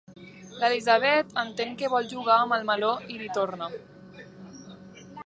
L'Elisabet entén que vol jugar amb el meló i li torna.